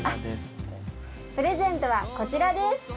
「プレゼントはこちらです」